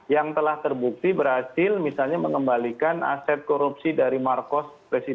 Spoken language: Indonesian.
yang telah terbukti berhasil misalnya mengembalikan aset korupsi dari marcos